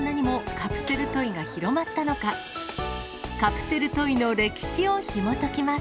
カプセルトイの歴史をひもときます。